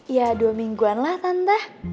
ya dua mingguan lah tante